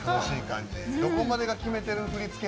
どこまでが決めてる振り付け